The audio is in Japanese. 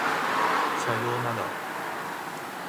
左様なら